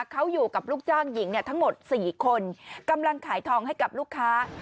เขาอยู่กับลูกจ้างหญิงทั้งหมด๔คนกำลังขายทองให้กับลูกค้า